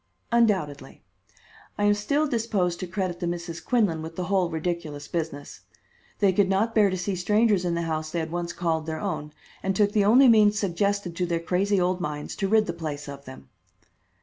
"Undoubtedly. I am still disposed to credit the Misses Quinlan with the whole ridiculous business. They could not bear to see strangers in the house they had once called their own, and took the only means suggested to their crazy old minds to rid the place of them."